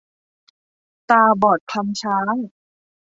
ตาบอดคลำช้าง